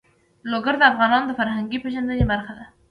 لوگر د افغانانو د فرهنګي پیژندنې برخه ده.